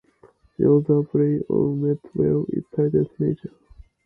The other play of Medwall is titled "Nature".